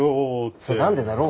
それ「なんでだろう」。